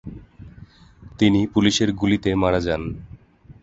তিনি পুলিশের গুলিতে মারা যান।